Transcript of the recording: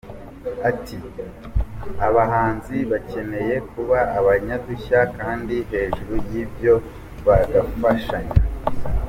Ati “Abahanzi bakeneye kuba abanyadushya kandi hejuru y’ibyo bagafashanya.